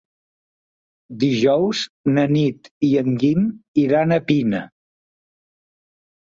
Dijous na Nit i en Guim iran a Pina.